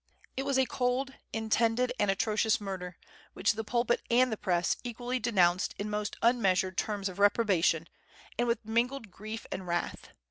It was a cold, intended, and atrocious murder, which the pulpit and the press equally denounced in most unmeasured terms of reprobation, and with mingled grief and wrath.